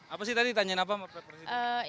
apa sih tadi ditanyain apa sama presiden